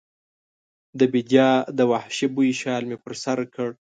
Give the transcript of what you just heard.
د بیدیا د وحشي بوی شال مې پر سر کړ